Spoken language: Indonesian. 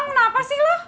kenapa sih lah